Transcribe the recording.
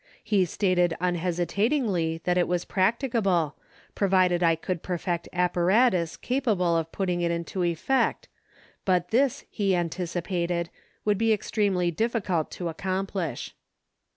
He stated unhesitatingly that it was practicable, provided I could perfect apparatus capable of putting it into effect but this, he antici pated, would be extremely difficult to ac complish.